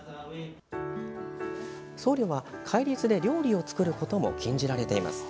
僧侶は、戒律で料理を作ることも禁じられています。